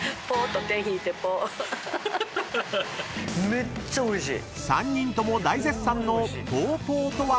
めっちゃおいしい！